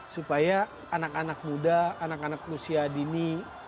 supaya anak anak muda anak anak usia dini